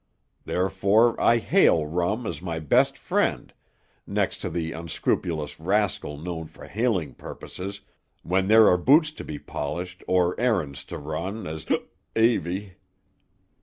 Therefore I hail rum as my best friend, next to the unscrupulous rascal known for hailing purposes, when there are boots to be polished, or errands to run, as Hup avy."